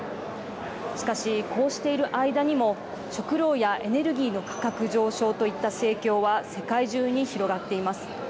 しかしこうしている間にも食料やエネルギーの価格上昇といった影響は世界中に広がっています。